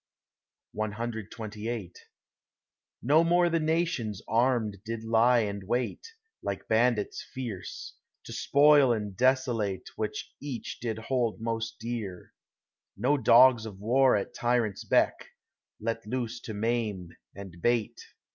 CXXVIII No more the nations armed did lie and wait, Like bandits fierce, to spoil and desolate What each did hold most dear—no dogs of war At tyrant's beck, let loose to maim and bait.